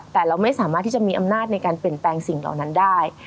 แต่เราไม่สามารถที่จะมีอำนาจในการเปลี่ยนแปลงสิ่งเหล่านั้นได้